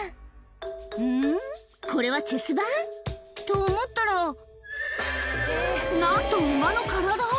これはチェス盤？と思ったら、なんと、ウマの体。